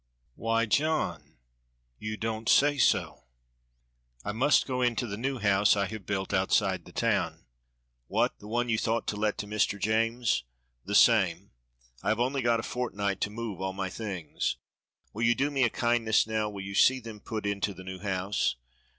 "Why, John, you don't say so?" "I must go into the new house I have built outside the town." "What, the one you thought to let to Mr. James?" "The same. I have got only a fortnight to move all my things. Will you do me a kindness now, will you see them put into the new house?"